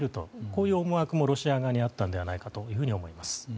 こういう思惑もロシア側にはあったのではないかと思います。